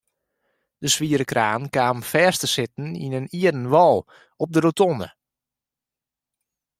De swiere kraan kaam fêst te sitten yn in ierden wâl op de rotonde.